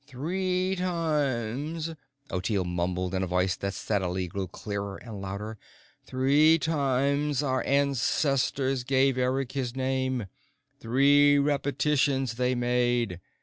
"Three times," Ottilie mumbled in a voice that steadily grew clearer and louder, "three times our ancestors gave Eric his name. Three repetitions they made.